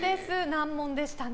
難問でしたね。